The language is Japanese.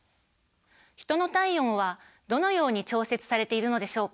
ヒトの体温はどのように調節されているのでしょうか？